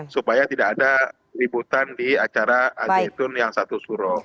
supaya tidak ada ributan di acara al zaitun yang satu suruh